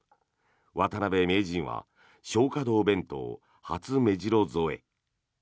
渡辺名人は松花堂弁当はつめじろ添え。